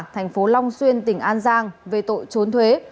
thành phố long xuyên tỉnh an giang về tội trốn thuế